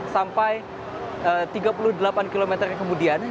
sampai tiga puluh delapan km kemudian